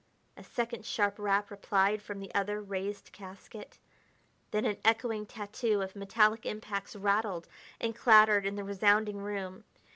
A second sharp rap replied from the other raised casket, then an echoing tattoo of metallic impacts rattled and clattered in the resounding room.